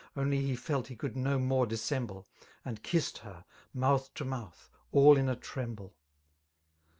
78 Onl; he felt .he could Ho more dissemble. And kissed her^ mouth to mouth> all ia a tremble.